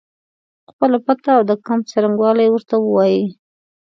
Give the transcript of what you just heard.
خپله پته او د کمپ څرنګوالی ورته ووایي.